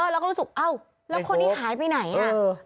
แล้วก็รู้สึกเอ้าแล้วคนนี้หายไปไหนอ่ะ